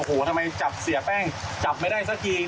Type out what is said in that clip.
โอ้โหทำไมจับเสียแป้งจับไม่ได้สักที